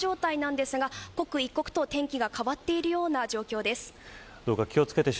今は小康状態なんですが刻一刻と天気が変わっているような状況です。